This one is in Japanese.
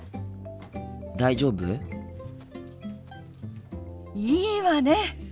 大丈夫？いいわね！